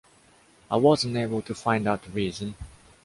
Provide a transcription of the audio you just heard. I wasn’t able to find out the reason.